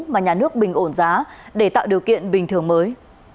mà nhà nước bình ổn giá để tạo điều kiện bình thường mới